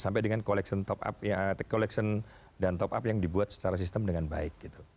sampai dengan collection dan top up yang dibuat secara sistem dengan baik